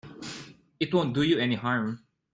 It won't do you any harm.